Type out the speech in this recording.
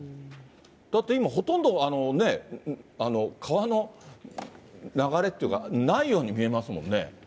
だって今、ほとんどね、川の流れというか、ないように見えますもんね。